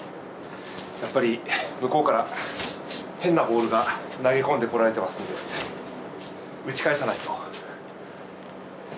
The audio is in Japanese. やっぱり向こうから変なボールが投げ込んでこられてますんで、打ち返さないと。